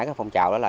cái phong trào đó là